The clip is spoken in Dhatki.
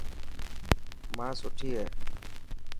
ماءِ سٺي هي.